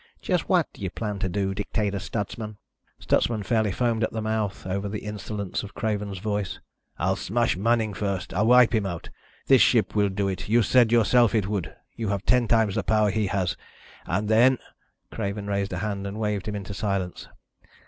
"Just what do you plan to do, Dictator Stutsman?" Stutsman fairly foamed at the mouth over the insolence of Craven's voice. "I'll smash Manning first. I'll wipe him out. This ship will do it. You said yourself it would. You have ten times the power he has. And then ..." Craven raised a hand and waved him into silence.